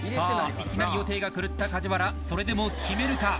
いきなり予定が狂った梶原それでも決めるか？